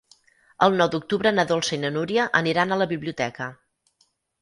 El nou d'octubre na Dolça i na Núria aniran a la biblioteca.